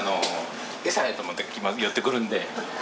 エサやと思って寄ってくるんで。